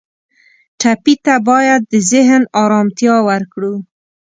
ټپي ته باید د ذهن آرامتیا ورکړو.